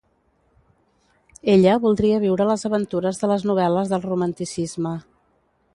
Ella voldria viure les aventures de les novel·les del romanticisme.